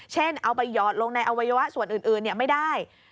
เอาไปหยอดลงในอวัยวะส่วนอื่นไม่ได้